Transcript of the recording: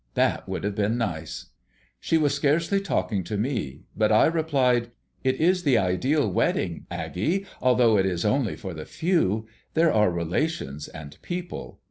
That would have been nice." She was scarcely talking to me; but I replied: "It is the ideal wedding, Aggie, although it is only for the few there are relations and people.